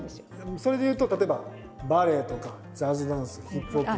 それで言うと例えばバレエとかジャズダンスヒップホップブレイキン。